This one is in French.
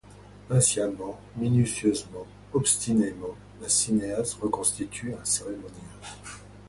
Patiemment, minutieusement, obstinément, la cinéaste reconstitue un cérémonial.